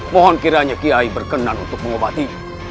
mohon kiranya kiai berkenan untuk mengobati